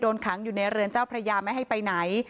ขังอยู่ในเรือนเจ้าพระยาไม่ให้ไปไหน